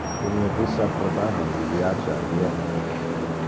Ille disapprobava mi viage a Vienna.